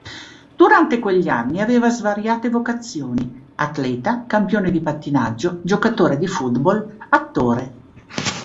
Durante quegli anni, aveva svariate vocazioni: atleta, campione di pattinaggio, giocatore di football, attore.